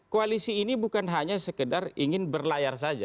koalisi ini bukan hanya sekedar ingin berlayar saja